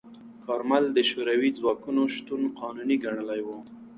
کارمل د شوروي ځواکونو شتون قانوني ګڼلی و.